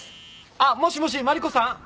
あっもしもしマリコさん？